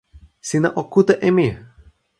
sina o kute e mi!